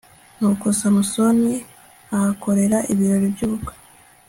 nuko samusoni ahakorera ibirori by'ubukwe